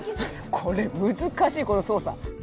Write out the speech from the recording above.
これ難しいこの操作。